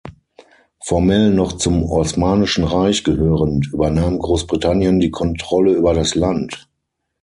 Formell noch zum Osmanischen Reich gehörend, übernahm Großbritannien die Kontrolle über das Land.